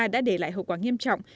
đã để lại hậu quả nghiêm trọng